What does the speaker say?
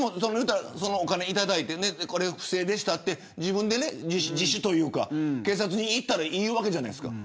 そのお金をいただいて不正でしたと自分で自首というか、警察に行ったらいいわけじゃないですか。